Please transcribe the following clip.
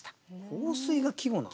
「香水」が季語なんですね。